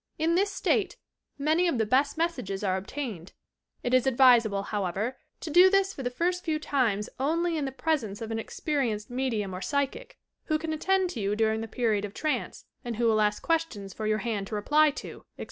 In this state many of the best mes sages are obtained. It is advisable, however, to do this for the first few times only in the presence of an experi enced medium or psychic, who can attend to you during the period of trance, and who will ask questions for your hand to reply to, etc.